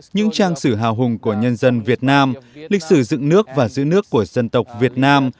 những trang sử hào hùng của nhân dân việt nam lịch sử dựng nước và giữ nước của dân tộc việt nam